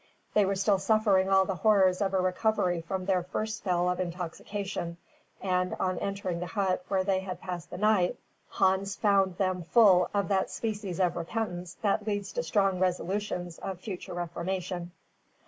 They were still suffering all the horrors of a recovery from their first spell of intoxication, and, on entering the hut where they had passed the night, Hans found them full of that species of repentance that leads to strong resolutions of future reformation.